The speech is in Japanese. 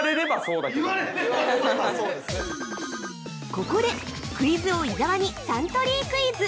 ◆ここで、クイズ王・伊沢にサントリークイズ！